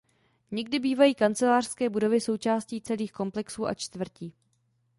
Někdy bývají kancelářské budovy součástí celých komplexů a čtvrtí.